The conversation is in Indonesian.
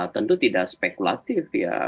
tentu tidak spekulatif ya